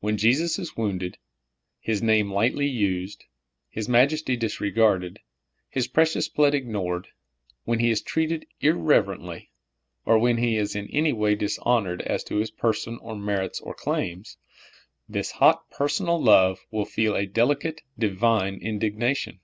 When Jesus is wounded, His name lightly used, His majesty disregarded, His precious blood ig nored — when He is treated irreverently, or when He is in any way dishonored as to His person or merits or claims — this hot personal love will feel a delicate, divine indignation.